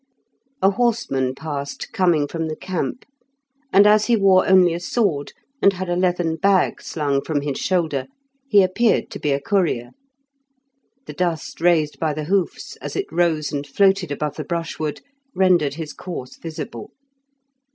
A horseman passed, coming from the camp, and as he wore only a sword, and had a leathern bag slung from his shoulder, he appeared to be a courtier. The dust raised by the hoofs, as it rose and floated above the brushwood, rendered his course visible.